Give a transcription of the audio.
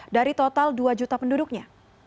dari total dua juta penduduknya